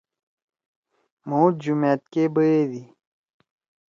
مھو جمأت کے بیَدی۔